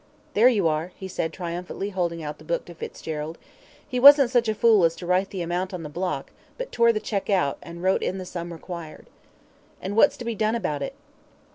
"There you are," he said, triumphantly holding out the book to Fitzgerald. "He wasn't such a fool as to write in the amount on the block, but tore the cheque out, and wrote in the sum required." "And what's to be done about it?"